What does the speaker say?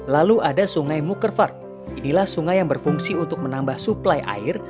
lalu ada sungai mukerfat inilah sungai yang berfungsi untuk menambah suplai air